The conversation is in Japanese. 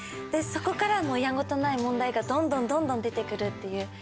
でそこからやんごとない問題がどんどん出てくるっていう。